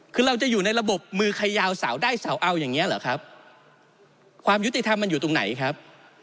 คือเราจะอยู่ในระบบมือใครยาวสาวได้เสาเอาอย่างนี้เหรอครับความยุติธรรมมันอยู่ตรงไหนครับ